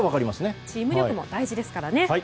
チーム力も大事ですからね。